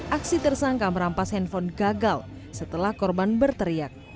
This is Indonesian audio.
aksi tersangka merampas handphone gagal setelah korban berteriak